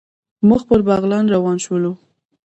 مخ پر بغلان روان شولو.